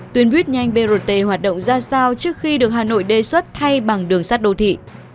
tuyên bút nhanh brt hoạt động ra sao trước khi được hà nội đề xuất thay bằng đường sát đô thị